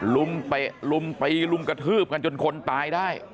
รุมไปรุมไปรุมกระทืบกันจนคนตายได้